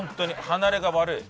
離れが悪い。